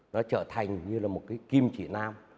nó trở thành như là một cái kim chỉ nam